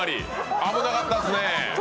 危なかったですね。